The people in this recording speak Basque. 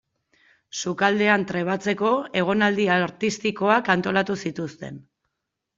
Sukaldean trebatzeko egonaldi artistikoak antolatu zituzten.